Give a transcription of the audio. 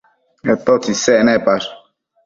atotsi isec nepash?